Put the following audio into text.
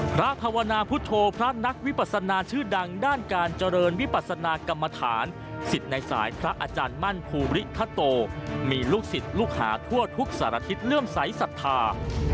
ภาวนาพุทธพระนักวิปัสนาชื่อดังด้านการเจริญวิปัสนากรรมฐานสิทธิ์ในสายพระอาจารย์มั่นภูริคโตมีลูกศิษย์ลูกหาทั่วทุกสารทิศเลื่อมใสสัทธา